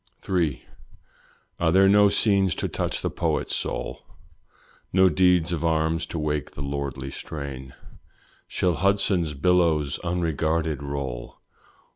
III. Are there no scenes to touch the poet's soul? No deeds of arms to wake the lordly strain? Shall Hudson's billows unregarded roll?